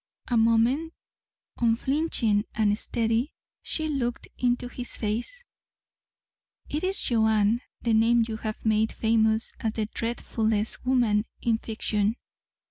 A moment unflinching and steady she looked into his face. "It is Joanne, the name you have made famous as the dreadfulest woman in fiction.